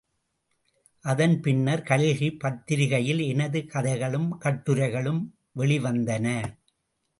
அதன் பின்னர் கல்கி பத்திரிகையில் எனது கதைகளும் கட்டுரைகளும் வெளி வந்தன.